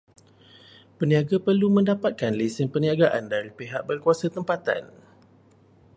Peniaga perlu mendapatkan lesen peniagaan daripada pihak berkuasa tempatan.